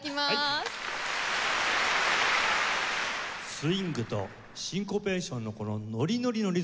スウィングとシンコペーションのこのノリノリのリズム。